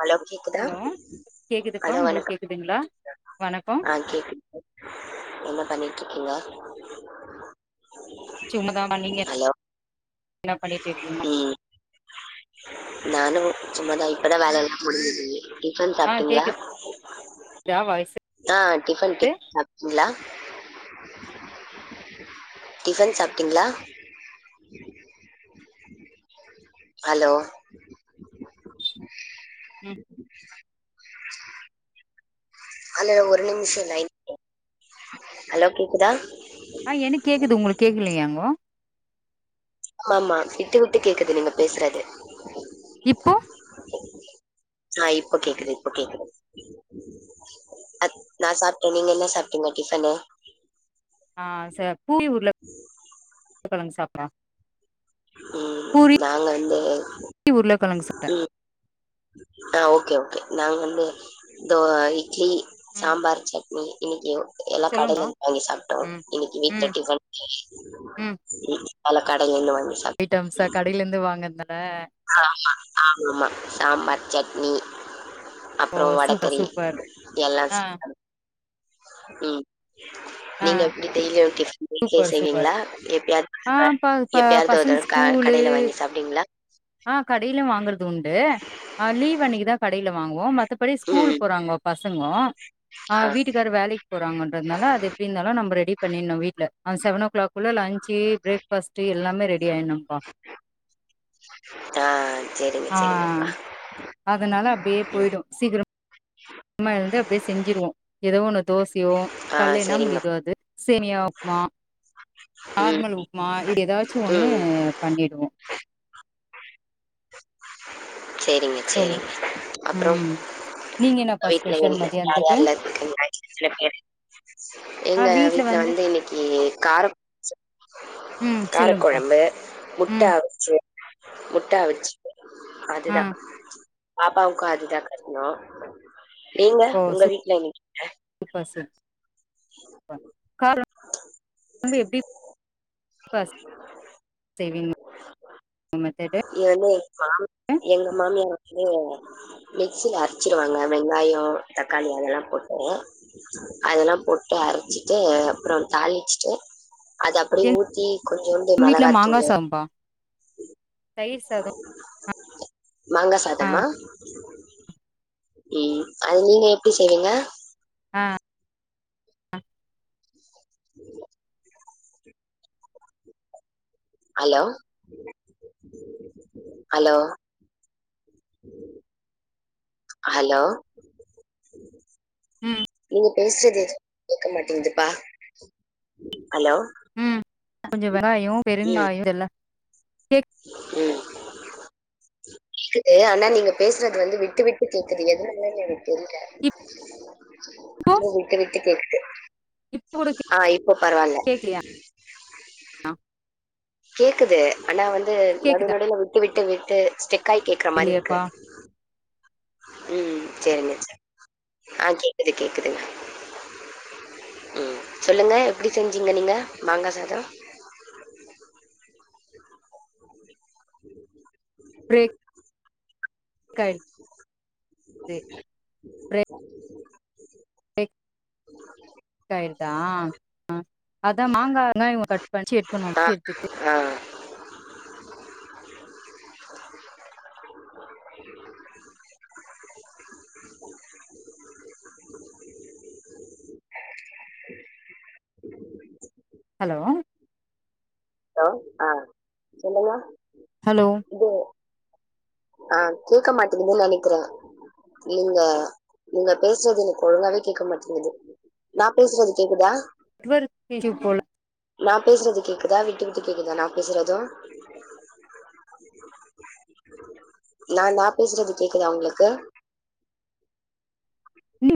hello கேக்குதா hello கேக்குதுப்பா hello உங்களுக்கு வணக்கம் கேக்குதுங்களா வணக்கம் ஆ கே என்ன பண்ணிட்டு இருக்கீங்க சும்மதா பண்ணீங்க ஹலோ என்ன பண்ணிட்டு இருக்கீங்க ம் நானும் சும்மா தா இப்பதா வேல எல்லா முடிச்சுது டிஃபன் ஆ சாப்பிட்டீங்கலா கேக்குதா வாய்ஸ் ஆ டிஃபன் லா டிஃபன் சாப்பிட்டீங்களா ஹலோ உம் ஹலோ ஒரு நிமிஷம் லைன் ஹலோ கேக்குதா ஆ எனக்கு கேட்குது உங்களுக்கு கேட்கலையாங்கோ ஆமா ஆமா விட்டு விட்டு கேக்குது நீங்க பேசுறது இப்போ ஆ இப்போ கேக்குது இப்ப கேக்குது அ நா சாப்பிட்டேன் நீங்க என்ன சாப்பிட்டீங்க டிஃபனு ஆ சே பூரி உருளைக்கெழங்கு சாப்ட்றாங்க ம் நாங்க வந்து பூரி உருளக்கெழங்கு சுட்டே ம் ஆ ஓகே ஓகே நாங்க வந்து தோ இ இட்லி ம் சாம்பார் சட்னி இன்னிக்கி எல்லா கடேல சொல்லுங்கா இருந்து வாங்கி சாப்ட்டோ ம் இன்னக்கி வீட்ல ம் டிஃபன் ம் அதனால கடேல இருந்து வாங்கி சாப் ஐட்டம்ஸா கடேல இருந்து வாங்கந்தான ஆமா ஆமா ஆமா சாம்பார் சட்னி ஓ அப்பறோ சூப்பர் வடக்கறி சூப்பர் எல்லா ஆ ம் ஆ நீங்க எப்டி டெய்லியு வீட்ல சூப்பர் சூப்பர் செய்வீங்களா எப்பயாது ஒரு ஆ தடவ ப ப எப்பயாவது ஒரு பசங்க தடவ கா ஸ்கூலு கடேல வாங்கி சாப்டுவீங்களா ஆ கடேல வாங்குறது உண்டு ஆ லீவ் அன்னைக்குதா கடேல வாங்குவோ மத்தபடி ம் ஸ்கூல்க்கு போறாங்கோ பசங்க ஆ வீட்டுக்காரு வேலைக் போறாங்கன்றதுனால அது எப்டி இருந்தாலு நம்ம ரெடி பண்ணிடனு வீட் ல அந்த செவன் ஓ கிளாக்குள்ள லன்சு பிரேக் பாஸ்ட் எல்லாமே ரெடி ஆயிடணு ஆ சேரிங்க சேரிங்கப்பா ஆ அதனால அப்டியே ம் போயிடு சீக்கர மா எழுந்து அப்டியே செஞ்சிருவோ ஏதோ ஒன்னு தோசயோ ஆ கால்ல என்ன சேரிங்க முடியுதோ அது சேமியா உப்புமா ம் நார்மல் உப்புமா இது ஏதாச்சு ஒன்னு ம் பண்ணிடுவோ சேரிங்க சொல்லுங் சேரிங்க அப்பறோ ம் நீங்க உங்க என்னப்பா வீட்ல ஸ்பெஷல் என்ன யார் மதியானத்துக்கு யாரெல்லா இருக்குறீங்க சில பேர் எங்க வீட்ல வந்து இன்னக்கி காரக் ம் சொல்லுங்ப்பா காரக்கொழம்பு முட்ட ம் அவிச்சி முட்டா அவிச்சி ஆ அதுதா பாப்பாவுக்கு அதுதா கட்னோ நீங்க உங்க வீட்ல இன்னக்கி பிக் பாஸ் [inaudible] வந்து எப்டி [inaudible] செய்வீங்க மெத்தடு எண்ணெய் எடுப்போ எங்க மாமியார் வீட்லயே மிக்சில அரச்சிருவாங்க வெங்காயோ தக்காளி அதெல்லா போட்டு அதெல்லா போட்டு அரச்சிட்டு அப்பறோ தாளிச்சிட்டு அத அப்டி ஊத்தி கொஞ்சோண்டு எங்க வீட்ல மெளகா மாங்கா தூளு சாதம்பா தயிர் சாதம் ஆ மாங்காசாதமா ம் அது நீங்க எப்டி செய்வீங்க ஆ ஹலோ ஹலோ ஹலோ ம் நீங்க பேசுறது எதுவு கேக்க மாட்டேங்கிதுப்பா ஹலோ ம் கொஞ்ச வெங்காயோ ம் பெருங்காயோ இதெல்லா கேக் ம் க்குது ஆனா நீங்க பேசுறது வந்து விட்டு விட்டு கேக்குது எதுனாலன்னு எனக்கு தெரில இப்போ இன்னு விட்டு விட்டு கேக்குது இப்ப கூட ஆ இப்ப பரவால்ல கேக்கலையா கேக்குது ஆனா வந்து கேக்குதா நடுநடுவுல விட்டு விட்டு விட்டு ஸ்டெக்காய் கேக்குற மாரி இருக்கு இல்லையப்பா ம் சரிங்க சா ஆ கேக்குது கேக்குதுங்க ம் சொல்லுங்க எப்டி செஞ்சிங்க நீங்க மாங்கா சாதொ [inaudible] ப்ரேக் காய்டு கேய் ட்டாயிருதா அதா மாங்கா வெங்காயோ கட் பண்ணி ஆ [inaudible] எடுத்துட்டு ஆ ஹலோ ஹலோ ஆ சொல்லுங்க ஹலோ இது ஆ கேக்க மாட்டேங்குதுன் நெனைக்றே நீங்க நீங்க பேசுறது எனக் ஒழுங்காவே கேக்க மாட்டேங்குது நா பேசுறது கேக்குதா நெட்வொர்க் இஷ்யு போல நா பேசுறது கேக்குதா விட்டு விட்டு கேக்குதா நா பேசுறது நா நா பேசுறது கேக்குதா உங்களுக்கு